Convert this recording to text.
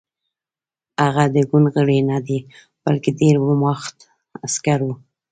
هغه د ګوند غړی نه دی بلکې د ویرماخت عسکر و